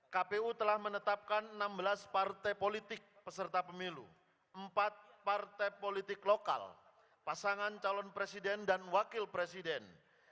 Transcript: kpu telah menetapkan enam belas partai politik peserta pemilu empat partai politik lokal pasangan calon presiden dan wakil presiden